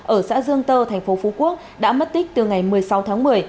ở xã dương tơ tp phú quốc đã mất tích từ ngày một mươi sáu tháng một mươi